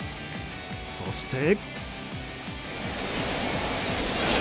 そして。